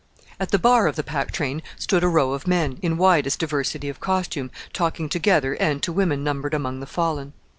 At the bar of the Pack Train stood a row of men, in widest diversity of costume, talking together and to women numbered among the fallen.